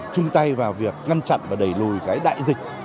chung tay vào việc ngăn chặn và đẩy lý